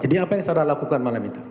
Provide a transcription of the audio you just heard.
jadi apa yang saya lakukan malam itu